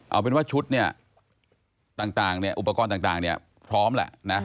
เอาเป็นว่าชุดนี้อุปกรณ์ต่างพร้อมแหละ